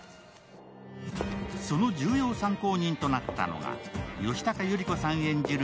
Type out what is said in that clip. その重要参考人となったのが、吉高由里子さん演じる